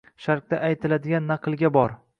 Sharqda aytiladigan naqlga bor.